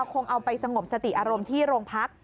คงเอาไปสงบสติอารมณ์ที่โรงพัก